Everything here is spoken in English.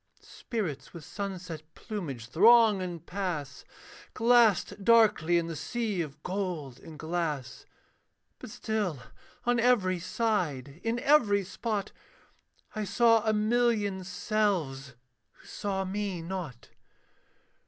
Spirits with sunset plumage throng and pass, Glassed darkly in the sea of gold and glass. But still on every side, in every spot, I saw a million selves, who saw me not.